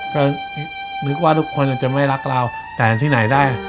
ก็นึกว่าทุกคนอาจจะไม่รักเราแต่ที่ไหนได้